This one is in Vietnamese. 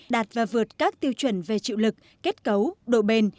đạt và vượt các tiêu chuẩn về chịu lực kết cấu độ bền